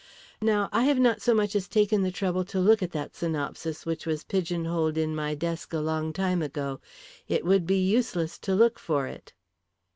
Now I have not so much as taken the trouble to look at that synopsis which was pigeonholed in my desk a long time ago. It would be useless to look for it."